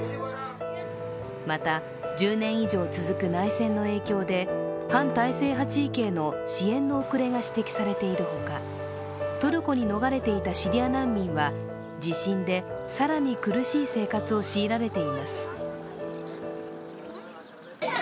また、１０年以上続く内戦の影響で反体制派地域への支援の遅れが指摘されているほかトルコに逃れていたシリア難民は地震で更に苦しい生活を強いられています。